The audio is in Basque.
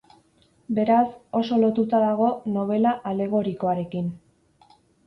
Beraz, oso lotuta dago nobela alegorikoarekin.